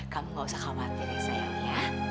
kamu gak usah khawatir ya sayang